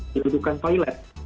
di dudukan pilot